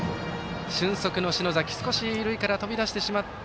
俊足の篠崎塁から飛び出してしまって